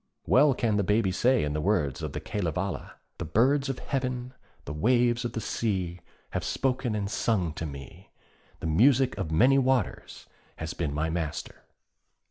Well can the Baby say in the words of the Kalevala, 'The birds of Heaven, the waves of the sea, have spoken and sung to me; the music of many waters has been my master.'